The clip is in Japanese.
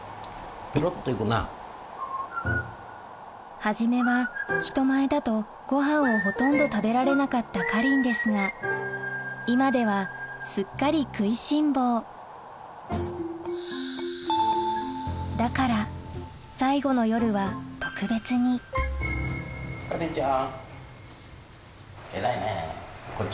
初めは人前だとごはんをほとんど食べられなかったかりんですが今ではすっかり食いしん坊だから最後の夜は特別にかりんちゃん。